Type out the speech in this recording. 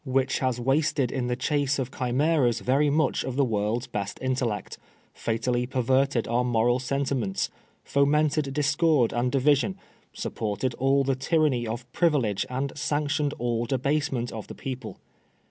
19 which has wasted in the chase of chimeras very much of the world's best intellect, fatally perverted our moral sentiments, fomented discord and division, supported all the tyranny of privilege and sanctioned all debase mient of the people.